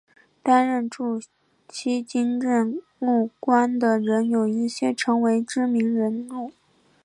担任驻锡金政务官的人有一些成为知名人物。